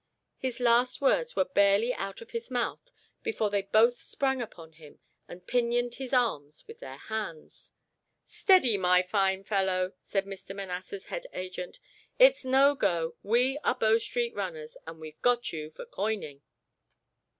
The last words were barely out of his mouth, before they both sprang upon him, and pinioned his arms with their hands. "Steady, my fine fellow," said Mr. Manasseh's head agent. "It's no go. We are Bow Street runners, and we've got you for coining."